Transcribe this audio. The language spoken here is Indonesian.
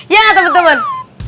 ya gak temen temen